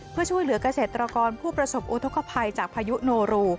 เพื่อช่วยเหลือกเกษตรกรผู้ประสบอุทธกภัยจากพายุโนรู